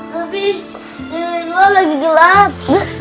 tapi air anget gue lagi gelap